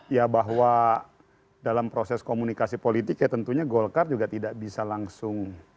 ya bahwa dalam proses komunikasi politik ya tentunya golkar juga tidak bisa langsung